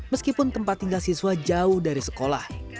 meskipun tempat tinggal siswa jauh dari sekolah